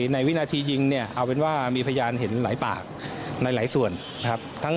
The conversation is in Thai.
ในวินาทียิงเนี่ยเอาเป็นว่ามีพยานเห็นหลายปากในหลายส่วนนะครับ